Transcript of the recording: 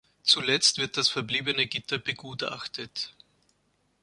Zuletzt wird das verbliebene Gitter begutachtet.